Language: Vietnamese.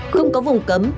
không có vùng cấm